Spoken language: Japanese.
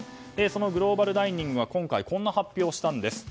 そのグローバルダイニングが今回、こんな発表をしたんです。